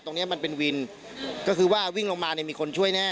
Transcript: เนี้ยมันเป็นวินก็คือว่าวิ่งลงมาเนี่ยมีคนช่วยแน่